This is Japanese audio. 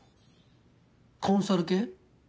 コンサル系？